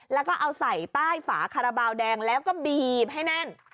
แล้วก็เอาใส่ใต้ฝาคาราบาลแดงแล้วก็บีบให้แน่น